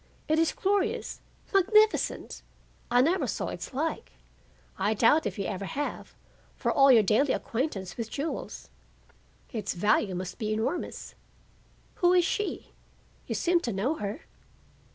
It is glorious, magnificent. I never saw its like. I doubt if you ever have, for all your daily acquaintance with jewels. Its value must be enormous. Who is she? You seem to know her."